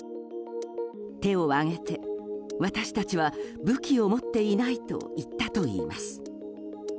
手を上げて私たちは武器を持っていないと言ったといいます。